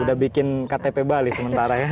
sudah bikin ktp bali sementara